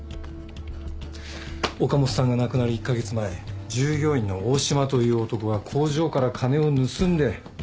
岡本さんが亡くなる１カ月前従業員の大島という男が工場から金を盗んで姿を消した。